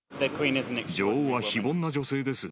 女王は非凡な女性です。